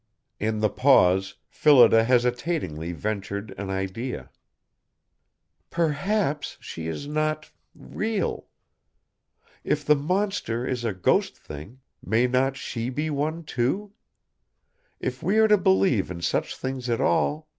In the pause, Phillida hesitatingly ventured an idea: "Perhaps she is not real. If the monster is a ghost thing, may not she be one, too? If we are to believe in such things at all